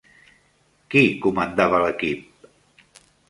Qui comandava l'equip?